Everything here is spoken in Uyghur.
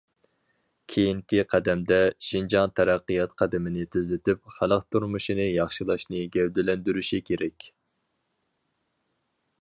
كېيىنكى قەدەمدە، شىنجاڭ تەرەققىيات قەدىمىنى تېزلىتىپ، خەلق تۇرمۇشىنى ياخشىلاشنى گەۋدىلەندۈرۈشى كېرەك.